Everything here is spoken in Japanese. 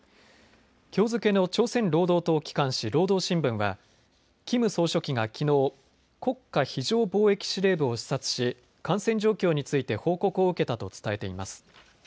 きょう付けの朝鮮労働党機関紙、労働新聞はキム総書記がきのう、国家非常防疫司令部を視察し感染状況について報告を受けたと伝えています。